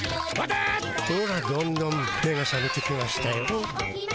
ほらどんどん目がさめてきましたよ。